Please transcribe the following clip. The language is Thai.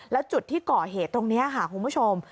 แล้วจุดที่ก่อเหตุตรงนี้ค่ะคุณผู้ชม